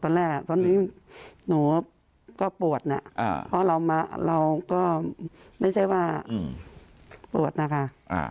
ตอนแรกตอนนี้หนูก็ปวดนะเพราะเราก็ไม่ใช่ว่าปวดนะคะ